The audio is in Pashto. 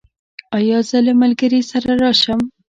ایا زه له ملګري سره راشم؟